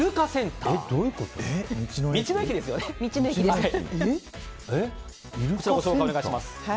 お願いします。